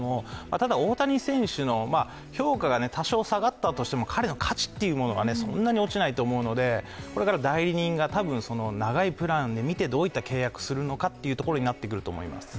ただ、大谷選手の評価が多少下がったとしても彼の価値がそんなに落ちないと思うのでこれから代理人がこれから長いプランで見て、どういった契約するのかといったところになってくると思います。